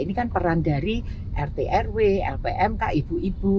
ini kan peran dari rt rw lpmk ibu ibu